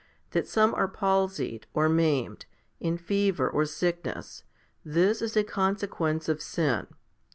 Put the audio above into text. That some are palsied or maimed, in fever or sickness, this is a consequence of sin.